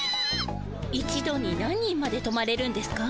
一度に何人までとまれるんですか？